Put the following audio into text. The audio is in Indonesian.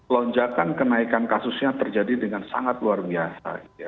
lonjakan kenaikan kasusnya terjadi dengan sangat luar biasa